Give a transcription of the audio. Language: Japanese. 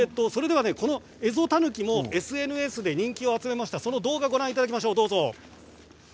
エゾタヌキもＳＮＳで人気を集めましたその動画をご覧ください。